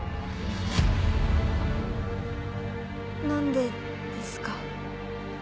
何でですか？